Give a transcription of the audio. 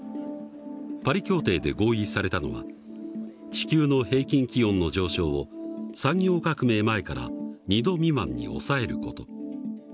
パリ協定で合意されたのは地球の平均気温の上昇を産業革命前から２℃未満に抑える事。